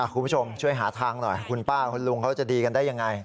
คุณผู้ชมช่วยหาทางหน่อยคุณป้าคุณลุงเขาจะดีกันได้ยังไง